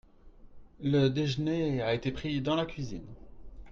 Le déjeuner a été pris dans la cuisine.